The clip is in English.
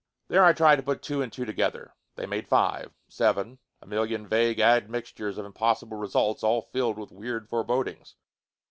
There I tried to put two and two together. They made five, seven, a million vague admixtures of impossible results, all filled with weird forebodings.